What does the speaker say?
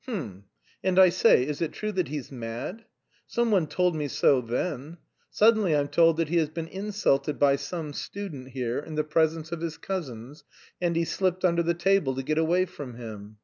H'm! And, I say, is it true that he's mad? Some one told me so then. Suddenly I'm told that he has been insulted by some student here, in the presence of his cousins, and he slipped under the table to get away from him.